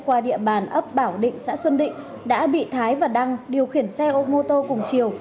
qua địa bàn ấp bảo định xã xuân định đã bị thái và đăng điều khiển xe ôm cùng chiều